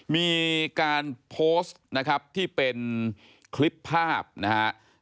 มีการโพสต์นะครับที่เป็นคลิปภาพนะฮะ